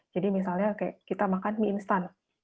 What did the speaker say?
jadi misalnya kayak kita makan mie instan